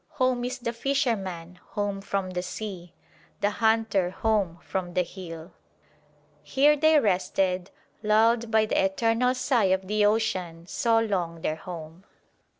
Home is the fisherman, home from the sea; The hunter home from the hill." Here they rested, lulled by the eternal sigh of the ocean so long their home.